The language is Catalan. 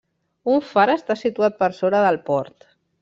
Un far està situat per sobre del port.